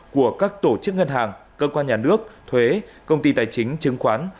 của các tổ chức ngân hàng cơ quan nhà nước thuế công ty tài chính chứng khoán